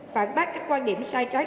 phản bác các quan điểm sai trái